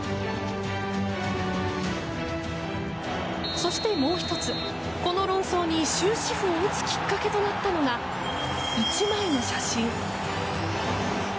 そして、もう１つこの論争に終止符を打つきっかけとなったのが１枚の写真。